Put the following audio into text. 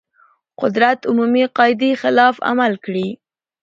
قدرت عمومي قاعدې خلاف عمل کړی.